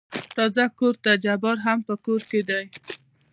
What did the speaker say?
راځه کورته جبار هم په کور کې دى.